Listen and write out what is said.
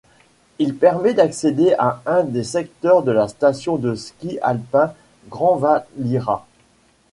Il permet d'accéder à un des secteurs de la station de ski alpin Grandvalira.